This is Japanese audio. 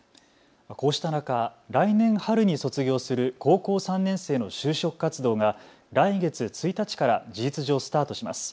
こうした中、来年春に卒業する高校３年生の就職活動が来月１日から事実上、スタートします。